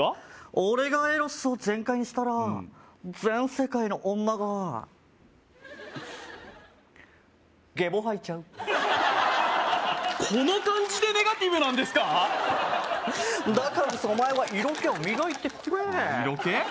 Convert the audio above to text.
俺がエロスを全開にしたら全世界の女がゲボはいちゃうこの感じでネガティブなんですかだからこそお前は色気をみがいてくれ色気？